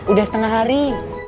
udah setengah hari